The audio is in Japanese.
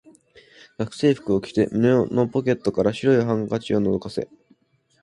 学生服を着て、胸のポケットから白いハンケチを覗かせ、